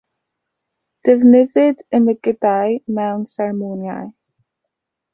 Defnyddid y mygydau mewn seremonïau.